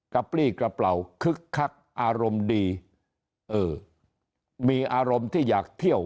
ปลี้กระเป๋าคึกคักอารมณ์ดีเออมีอารมณ์ที่อยากเที่ยว